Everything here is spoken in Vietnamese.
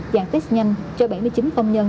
dạng test nhanh cho bảy mươi chín công nhân